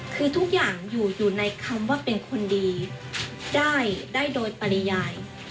คือทุกอย่างอยู่ในคำว่าเป็นคนดีได้โดยปริยาย